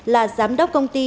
là giám đốc công ty